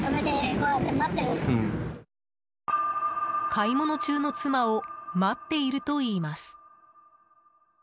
買い物中の妻を待っているといいます。